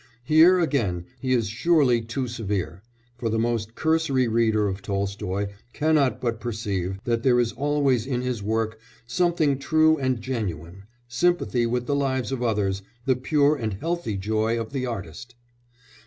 Here, again, he is surely too severe, for the most cursory reader of Tolstoy cannot but perceive that there is always in his work something true and genuine: sympathy with the lives of others, the pure and healthy joy of the artist.